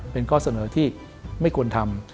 เป็นข้อเสนอที่ไม่ควรทำ